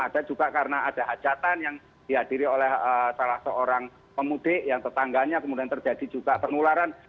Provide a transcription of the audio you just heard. ada juga karena ada hajatan yang dihadiri oleh salah seorang pemudik yang tetangganya kemudian terjadi juga penularan